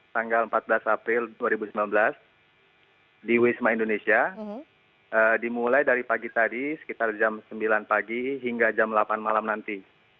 tanggal empat belas april dua ribu sembilan belas di wisma indonesia dimulai dari pagi tadi sekitar jam sembilan pagi hingga jam delapan malam nanti